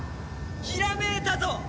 ひらめいたぞ！